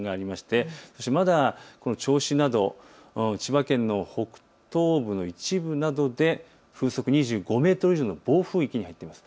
まだ銚子など千葉県の北東部の一部などで風速２５メートル以上の暴風域に入っています。